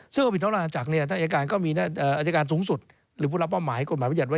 ซึ่งท่านอาจารย์ผ่านมาท่านอาจารย์การสูงสุดก็จะมอบตลอดนั่นแหละ